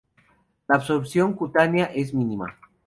La absorción cutánea es mínima.